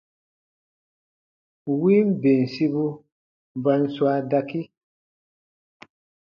Win bensibu ba n swaa dakii.